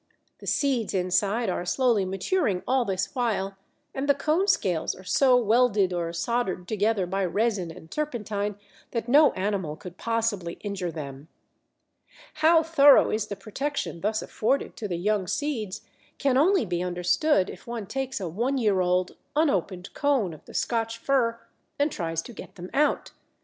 The seeds inside are slowly maturing all this while, and the cone scales are so welded or soldered together by resin and turpentine that no animal could possibly injure them. How thorough is the protection thus afforded to the young seeds, can only be understood if one takes a one year old unopened cone of the Scotch Fir and tries to get them out.